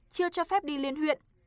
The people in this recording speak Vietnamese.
chưa cho phép đi liên huyện